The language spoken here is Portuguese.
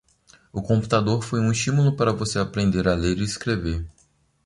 O computador foi um estímulo para você aprender a ler e escrever.